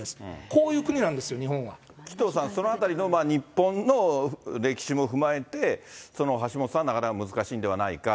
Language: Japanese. こういう国なんですよ、紀藤さん、そのあたりの日本の歴史も踏まえて、橋下さんはなかなか難しいんではないか。